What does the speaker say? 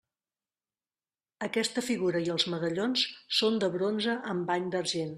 Aquesta figura i els medallons són de bronze amb bany d'argent.